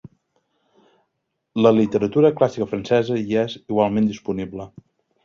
La literatura clàssica francesa hi és igualment disponible.